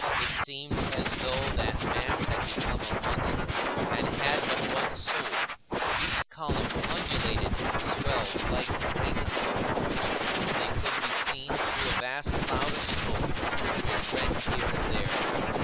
It seemed as though that mass had become a monster and had but one soul. Each column undulated and swelled like the ring of a polyp. They could be seen through a vast cloud of smoke which was rent here and there.